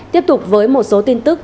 tiếp tục với một số tin tức